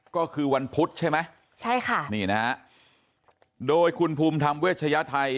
ก็คือวันพุธใช่ไหมใช่ค่ะนี่นะฮะโดยคุณภูมิธรรมเวชยไทย